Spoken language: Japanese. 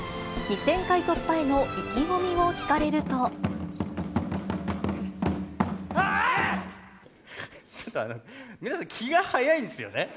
２０００回突破への意気込みを聞皆さん、気が早いんですよね。